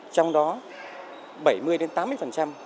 trong đó bảy mươi tám mươi các bệnh nhân đông đảo như vậy